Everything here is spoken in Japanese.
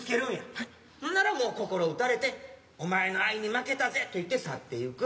ほんならもう心打たれて「お前の愛に負けたぜ」と言って去っていく。